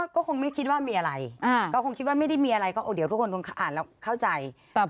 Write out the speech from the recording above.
ก็คงไม่คิดว่ามีอะไรก็คงคิดว่าไม่ได้มีอะไรก็เดี๋ยวทุกคนคงอ่านแล้วเข้าใจ